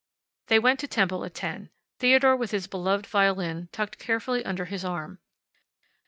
They went to temple at ten, Theodore with his beloved violin tucked carefully under his arm.